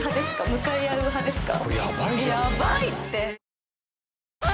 向かい合う派ですか？